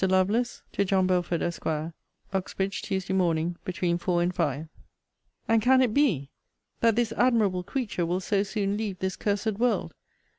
LOVELACE, TO JOHN BELFORD, ESQ. [IN ANSWER TO LETTER LVII.] UXBRIDGE, TUESDAY MORN, BETWEEN 4 AND 5. And can it be, that this admirable creature will so soon leave this cursed world!